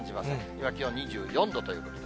今、気温２４度ということで。